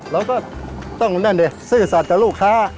เราก็ต้องนั่นดิซื่อสัตว์กับลูกค้า